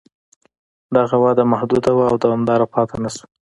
دغه وده محدوده وه او دوامداره پاتې نه شوه.